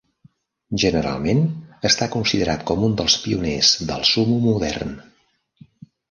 Generalment, està considerat com un dels pioners del sumo modern.